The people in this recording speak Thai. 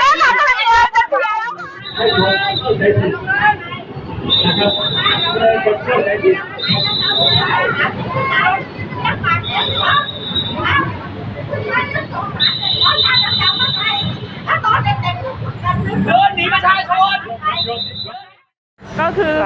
เจ้าตายแล้ว